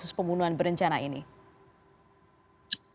kemudian pembunuhan berencana ini